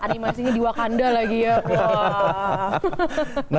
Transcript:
animasinya di wakanda lagi ya